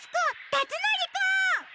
たつのりくん！